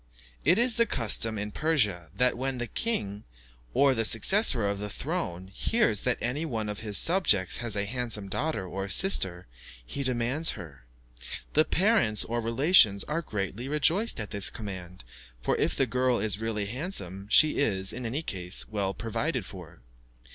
It is the custom in Persia, that when the king, or the successor to the throne, hears that any one of his subjects has a handsome daughter or sister, he demands her. The parents or relations are greatly rejoiced at this command, for if the girl is really handsome, she is, in any case, well provided for.